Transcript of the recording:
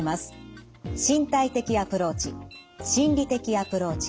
身体的アプローチ。